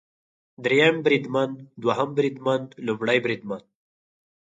دریم بریدمن، دوهم بریدمن ، لومړی بریدمن